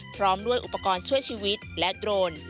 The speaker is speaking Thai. พร้อมด้วยอุปกรณ์ช่วยชีวิตและโดรน